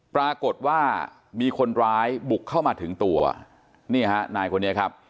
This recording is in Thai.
ปรากฏว่ามีคนร้ายบุกเข้ามาถึงตัวนี่ฮะนายคนนี้ครับ